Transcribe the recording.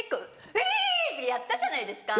えい！ってやったじゃないですか。